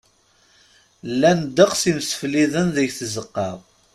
Llan ddeqs imsefliden deg tzeqqa.